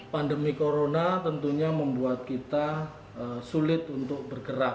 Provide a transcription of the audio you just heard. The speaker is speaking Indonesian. pandemi corona tentunya membuat kita sulit untuk bergerak